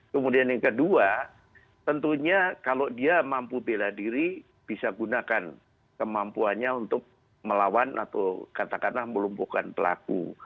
kemudian yang kedua tentunya kalau dia mampu bela diri bisa gunakan kemampuannya untuk melawan atau katakanlah melumpuhkan pelaku